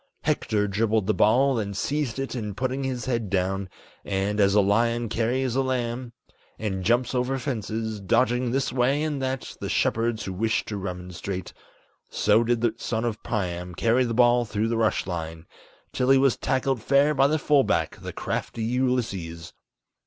Hector dribbled the ball, then seized it and putting his head down, And, as a lion carries a lamb and jumps over fences Dodging this way and that the shepherds who wish to remonstrate So did the son of Priam carry the ball through the rush line, Till he was tackled fair by the full back, the crafty Ulysses.